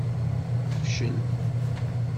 Tefcel.